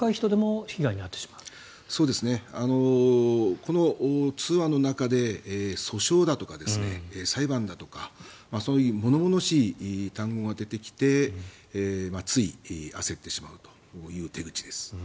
この通話の中で訴訟だとか裁判だとかそういう物々しい単語が出てきてつい焦ってしまうという手口です。